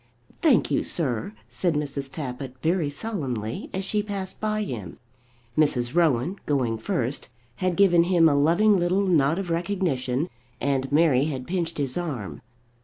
"Thank you, sir," said Mrs. Tappitt very solemnly as she passed by him. Mrs. Rowan, going first, had given him a loving little nod of recognition, and Mary had pinched his arm.